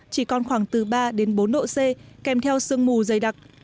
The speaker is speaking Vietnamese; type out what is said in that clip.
chỉ còn khoảng từ ba đến bốn độ c kèm theo sương mù dày đặc